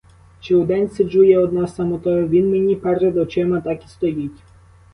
Чи удень сиджу я одна, самотою, — він мені перед очима так і стоїть!